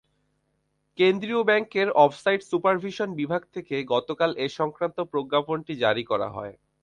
কেন্দ্রীয় ব্যাংকের offsite supervision বিভাগ থেকে গতকাল এ-সংক্রান্ত প্রজ্ঞাপনটি জারি করা হয়।